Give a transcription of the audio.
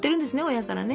親からね。